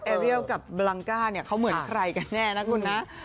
เรียลกับบลังก้าเนี่ยเขาเหมือนใครกันแน่นะคุณนะ